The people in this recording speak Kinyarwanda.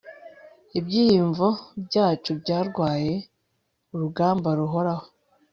ibyiyumvo byacu byarwanye kurugamba ruhoraho